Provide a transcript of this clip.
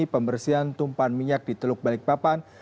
pembersihan tumpahan minyak di teluk balikpapan